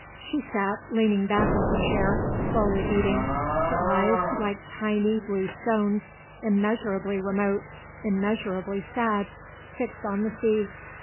She sat, leaning back in her chair, slowly eating, her eyes, like tiny, blue stones, immeasurably remote, immeasurably sad, fixed on the sea.